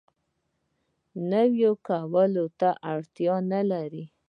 نوی کولو اړتیا نه لري.